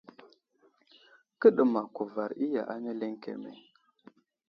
Kəɗəmak kuvar iya ane ləŋkeme ?